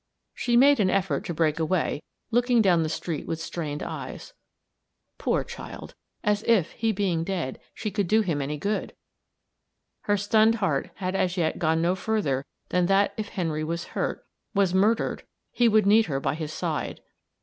She made an effort to break away, looking down the street with strained eyes. Poor child! as if, he being dead, she could do him any good! Her stunned heart had as yet gone no further than that if Henry was hurt, was murdered, he would need her by his side.